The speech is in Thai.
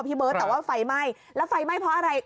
พี่เบิร์ตแต่ว่าไฟไหม้แล้วไฟไหม้เพราะอะไร